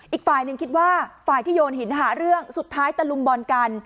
อีกฝ่ายหนึ่งคิดว่าฝ่ายที่โยนหินหาเรื่องสุดท้ายตะลุมบอลกัน